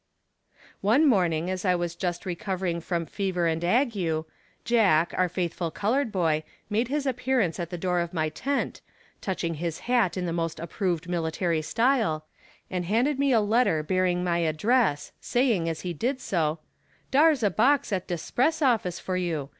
One morning, as I was just recovering from fever and ague, Jack, our faithful colored boy, made his appearance at the door of my tent, touching his hat in the most approved military style, and handed me a letter bearing my address, saying, as he did so, "Dar's a box at de 'spress office for you.